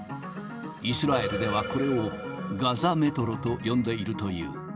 イスラエルでは、これをガザメトロと呼んでいるという。